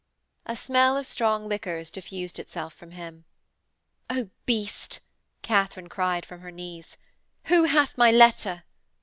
A smell of strong liquors diffused itself from him. 'Oh beast,' Katharine cried from her knees, 'who hath my letter?'